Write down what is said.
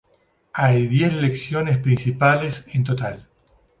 Hay diez lecciones principales en total.